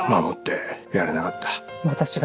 守ってやれなかった。